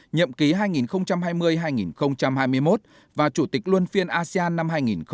nhậm ký hai nghìn hai mươi hai nghìn hai mươi một và chủ tịch luân phiên asean năm hai nghìn hai mươi